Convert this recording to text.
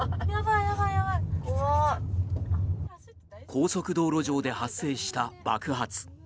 高速道路上で発生した爆発。